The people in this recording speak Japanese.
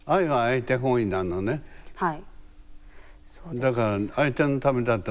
はい。